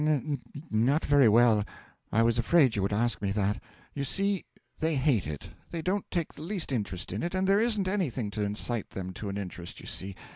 N not very well; I was afraid you would ask me that. You see, they hate it, they don't take the least interest in it, and there isn't anything to incite them to an interest, you see.